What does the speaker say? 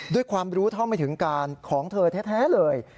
ด้วยความรู้เท่าไม่ถึงการของเธอแท้เลย